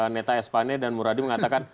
neta espane dan muradi mengatakan